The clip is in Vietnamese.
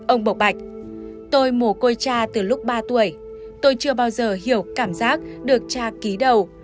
ông bộc bạch tôi mù côi cha từ lúc ba tuổi tôi chưa bao giờ hiểu cảm giác được cha ký đầu